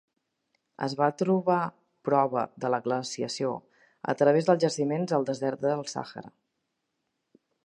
Es va trobar prova de la glaciació a través dels jaciments al desert del Sàhara.